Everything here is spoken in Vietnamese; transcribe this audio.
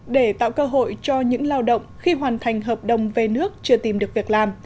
để tạo cơ hội cho những lao động khi hoàn thành hợp đồng về nước chưa tìm được việc làm